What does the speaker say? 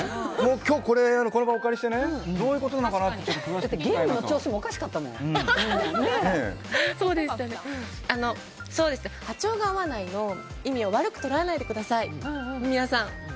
今日、この場をお貸りしてどういうことなのかなってゲームの調子も波長が合わないの意味を悪く捉えないでください、皆さん。